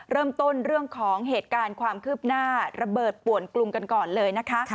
เริ่มต้นเรื่องของเหตุการณ์ความคืบหน้าระเบิดป่วนกรุงกันก่อนเลยนะคะ